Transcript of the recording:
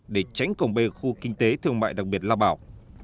để tránh cổng b khu kinh tế thương mại đặc biệt lao bảo